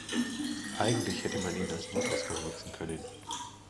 Eigentlich hätte man ihn als Notausgang nutzen können.